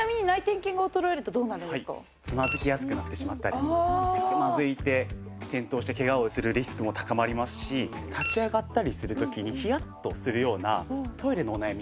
ちなみにつまずきやすくなってしまったりつまずいて転倒してケガをするリスクも高まりますし立ち上がったりする時にヒヤッとするようなトイレのお悩み。